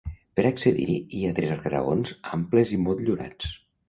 Per accedir-hi hi ha tres graons amples i motllurats.